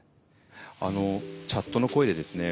チャットの声でですね